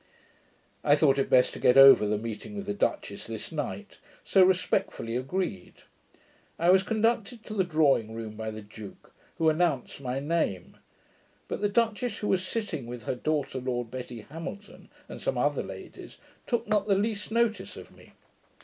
I thought it best to get over the meeting with the duchess this night; so respectfully agreed. I was conducted to the drawing room by the duke, who announced my name; but the duchess, who was sitting with her daughter, Lady Betty Hamilton, and some other ladies, took not the least notice of me.